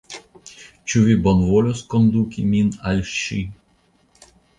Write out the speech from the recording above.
Ĉu vi bonvolos konduki min al ŝi?